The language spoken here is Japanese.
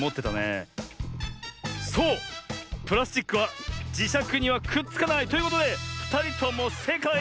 そうプラスチックはじしゃくにはくっつかない。ということでふたりともせいかい！